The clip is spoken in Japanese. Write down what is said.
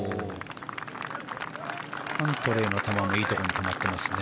キャントレーの球もいいところに止まってますね。